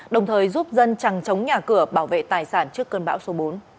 đồng thời giúp dân chẳng chống nhà cửa bảo vệ tài sản trước cơn bão số bốn